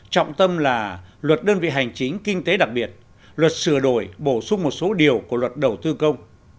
trọng tâm là luật đơn vị hành chính kinh tế đặc biệt luật sửa đổi bổ sung một số điều của luật đầu tư công